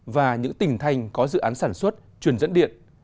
và những tỉnh thành có dự án sản xuất truyền dẫn điện